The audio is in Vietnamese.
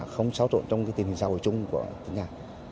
không xáo trộn trong tình hình xã hội chung của tỉnh nhà